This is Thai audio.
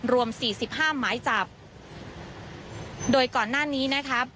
รวมสี่สิบห้าหมายจับโดยก่อนหน้านี้นะครับ